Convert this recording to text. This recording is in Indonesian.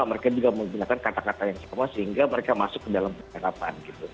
mereka juga menggunakan kata kata yang sama sehingga mereka masuk ke dalam percakapan